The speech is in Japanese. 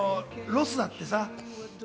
ロスだってさ。